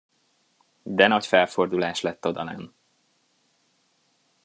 De nagy felfordulás lett odalenn!